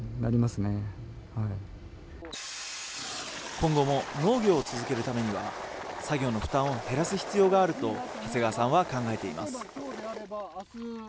今後も農業を続けるためには、作業の負担を減らす必要があると長谷川さんは考えています。